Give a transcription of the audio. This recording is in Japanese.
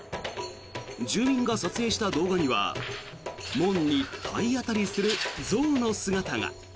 住民が撮影した動画には門に体当たりする象の姿が。